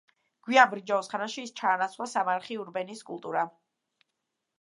გვიან ბრინჯაოს ხანაში ის ჩაანაცვლა სამარხი ურნების კულტურამ.